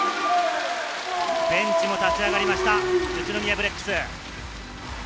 ベンチも立ち上がりました、宇都宮ブレックス。